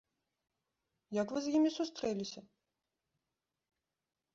Як вы з імі сустрэліся?